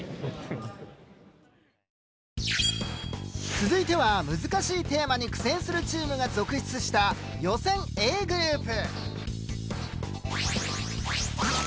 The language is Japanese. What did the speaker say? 続いては難しいテーマに苦戦するチームが続出した予選Ａグループ。